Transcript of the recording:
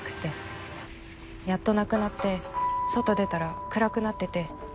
やっとなくなって外出たら暗くなってて。